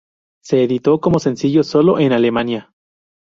Se editó como sencillo sólo en Alemania.